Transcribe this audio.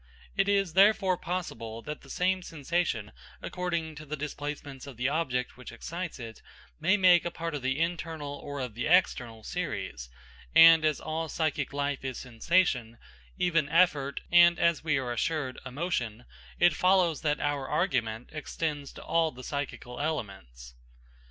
It is therefore possible that the same sensation, according to the displacements of the object which excites it, may make part of the internal or of the external series; and as all psychic life is sensation, even effort, and, as we are assured, emotion, it follows that our argument extends to all the psychical elements.